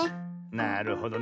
なるほどね。